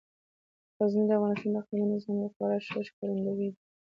غزني د افغانستان د اقلیمي نظام یو خورا ښه ښکارندوی دی.